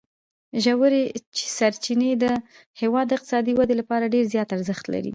ژورې سرچینې د هېواد د اقتصادي ودې لپاره ډېر زیات ارزښت لري.